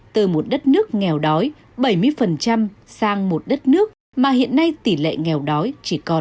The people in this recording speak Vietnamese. từ một đất nước nghèo đói bảy mươi sang một đất nước mà hiện nay tỷ lệ nghèo đói chỉ còn năm bốn mươi bảy